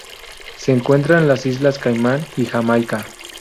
Se encuentra en las Islas Caimán y Jamaica.